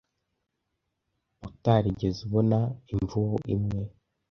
utarigeze ubona Imvubu imwe